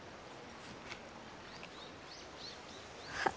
あっ。